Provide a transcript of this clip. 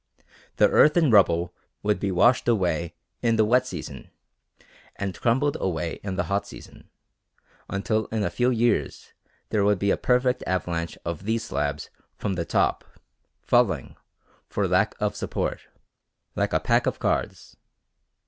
The earth and rubble would be washed away in the wet season and crumbled away in the hot season, until in a few years there would be a perfect avalanche of these slabs from the top, falling, for lack of support, like a pack of cards.